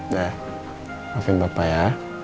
nah maafin papa ya